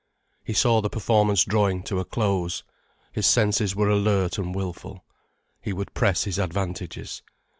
He saw the performance drawing to a close. His senses were alert and wilful. He would press his advantages.